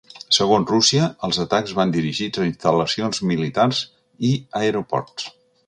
Segons Rússia, els atacs van dirigits a instal·lacions militars i aeroports.